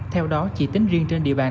theo đó chỉ tính riêng trên địa bàn